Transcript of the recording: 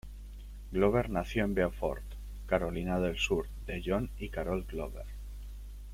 Glover nació en Beaufort, Carolina del Sur, de John y Carole Glover.